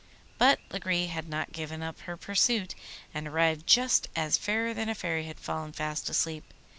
But Lagree had not given up her pursuit, and arrived just as Fairer than a Fairy had fallen fast asleep.